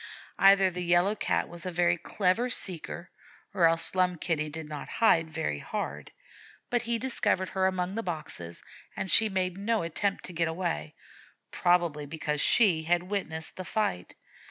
Either the Yellow Cat was a very clever seeker, or else Slum Kitty did not hide very hard; but he discovered her among the boxes, and she made no attempt to get away, probably because she had witnessed the fight.